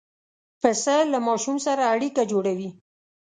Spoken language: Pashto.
پسه له ماشوم سره اړیکه جوړوي.